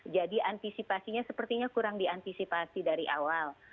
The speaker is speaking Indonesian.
jadi antisipasinya sepertinya kurang diantisipasi dari awal